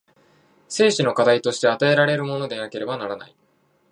生死の課題として与えられるものでなければならない。